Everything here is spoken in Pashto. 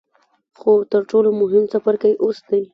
خو تر ټولو مهم څپرکی اوس دی.